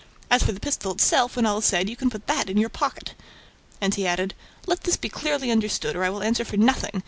As for the pistol itself, when all is said, you can put that in your pocket!" And he added, "Let this be clearly understood, or I will answer for nothing.